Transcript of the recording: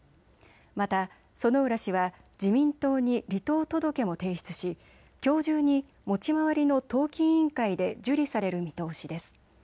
また薗浦氏は自民党に離党届も提出し、きょう中に持ち回りの党紀委員会で受理される見通しです。